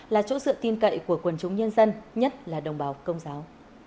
là chỗ dựa tin cậy của quần chúng nhân dân nhất là đồng bào công giáo